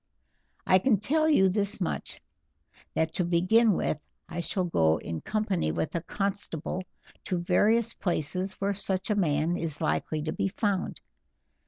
"I can tell you this much, that to begin with I shall go in company with a constable to various places where such a man is likely to be found.